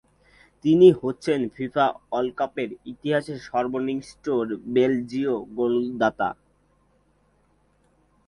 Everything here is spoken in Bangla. তিনি হচ্ছেন ফিফা বিশ্বকাপের ইতিহাসে সর্বকনিষ্ঠ বেলজীয় গোলদাতা।